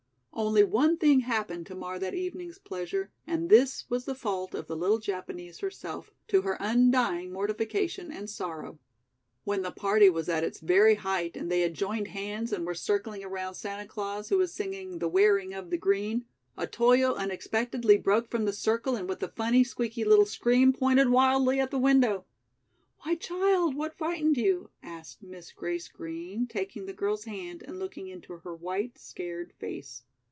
Only one thing happened to mar that evening's pleasure, and this was the fault of the little Japanese herself, to her undying mortification and sorrow. When the party was at its very height and they had joined hands and were circling around Santa Claus, who was singing "The Wearing of the Green," Otoyo unexpectedly broke from the circle and with a funny, squeaky little scream pointed wildly at the window. "Why, child, what frightened you?" asked Miss Grace Green, taking the girl's hand and looking into her white, scared face.